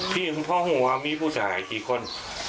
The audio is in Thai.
พี่มาครองวามีผู้ชายกี่คน